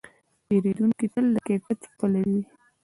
پیرودونکی تل د کیفیت پلوي وي.